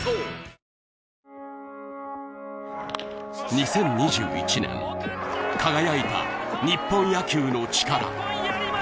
２０２１年、輝いた日本野球のチカラ。